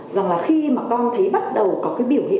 rằng là khi mà con thấy bắt đầu có cái biểu hiện